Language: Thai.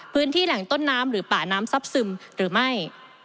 พื้นที่แหล่งต้นน้ำหรือป่าน้ำซับซึมหรือไม่